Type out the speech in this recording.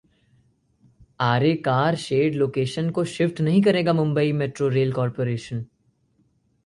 आरे car shed location को shift नहीं करेगा मुंबई मेट्रो रेल कॉरपोरेशन